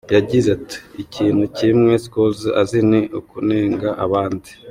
Yagize ati “Ikintu kimwe Scholes azi ni ukunenga abandi.